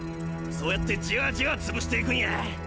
そうやってじわじわ潰していくんや。